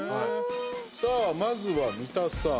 さあ、まずは三田さん。